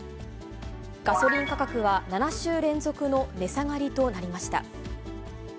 ガソリン価格は７週連続の値下がりとなりました。